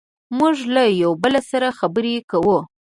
موږ له یو بل سره خبرې کوو.